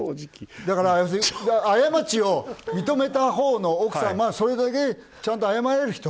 だから要するに過ちを認めたほうの奥さんはちゃんと謝れる人。